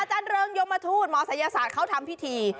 เริงยมทูตหมอศัยศาสตร์เขาทำพิธี